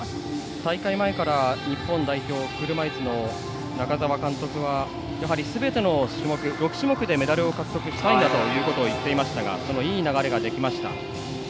大会前から日本代表車いすの中澤監督はやはりすべての種目６種目でメダルを獲得したいといっていましたがいい流れができました。